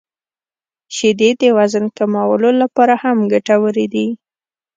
• شیدې د وزن کمولو لپاره هم ګټورې دي.